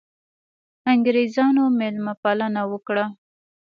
انګرېزانو مېلمه پالنه وکړه.